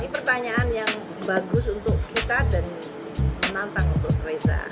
ini pertanyaan yang bagus untuk kita dan menantang untuk reza